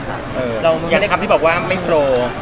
อย่างคำที่บอกว่าไม่โปร